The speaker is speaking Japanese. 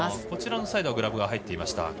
こちらのサイドはグラブが入っていました。